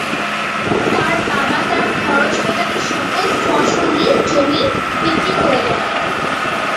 তার বাবা তার খরচ মেটাতে সকল ফসলি জমি বিক্রি করে দেন।